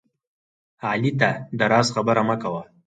علي ته د راز خبره مه کوه